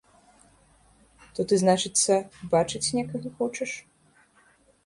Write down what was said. То ты, значыцца, бачыць некага хочаш?!